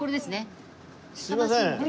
すいません。